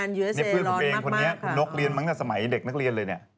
คุณนกเรียนมั้งจากสมัยเด็กนักเรียนเลยเนี่ย